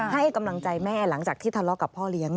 ให้กำลังใจแม่หลังจากที่ทะเลาะกับพ่อเลี้ยง